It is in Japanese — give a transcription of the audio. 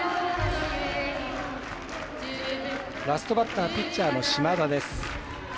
ラストバッターピッチャーの島田です。